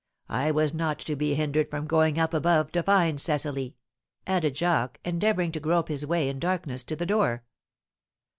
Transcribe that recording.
I was not to be hindered from going up above to find Cecily!" added Jacques, endeavouring to grope his way in darkness to the door.